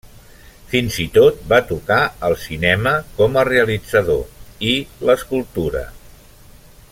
Fins i tot va tocar el cinema, com a realitzador, i l'escultura.